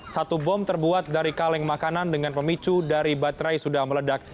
satu bom terbuat dari kaleng makanan dengan pemicu dari baterai sudah meledak